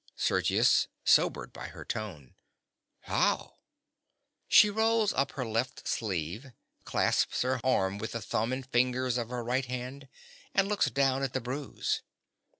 SERGIUS. (sobered by her tone). How? (_She rolls up her left sleeve; clasps her arm with the thumb and fingers of her right hand; and looks down at the bruise.